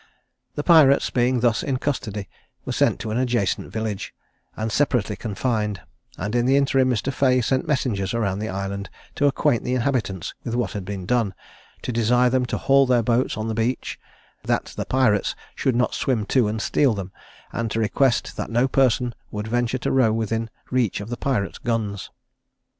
The pirates being thus in custody, were sent to an adjacent village, and separately confined; and in the interim Mr. Fea sent messengers round the island to acquaint the inhabitants with what had been done; to desire them to haul their boats on the beach, that the pirates should not swim to and steal them; and to request that no person would venture to row within reach of the pirates' guns.